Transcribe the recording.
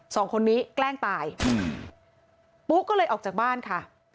สองคนนี้แกล้งตายอืมปุ๊กก็เลยออกจากบ้านค่ะ